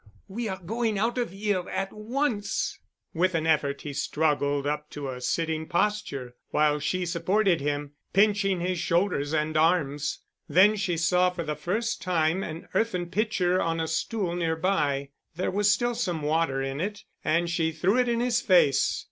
We are going out of here—at once." With an effort he struggled up to a sitting posture while she supported him, pinching his shoulders and arms. Then she saw for the first time an earthen pitcher on a stool nearby. There was still some water in it, and she threw it in his face.